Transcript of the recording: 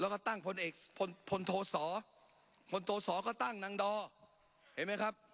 แล้วก็ตั้งพลโทษศพลโทษศก็ตั้งนางดอเห็นไหมครับ